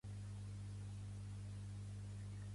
De la terra del xe.